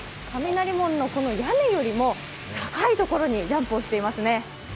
雷門のこの屋根よりも高いところにジャンプしていますね。